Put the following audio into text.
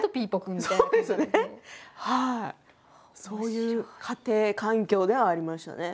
そういう家庭環境ではありましたね。